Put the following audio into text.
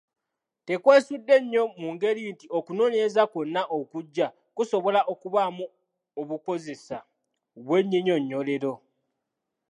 Tekwesudde nnyo mu ngeri nti okunoonyereza kwonna okuggya kusobola okubaamu obukozesa bw’ennyinyonnyolero.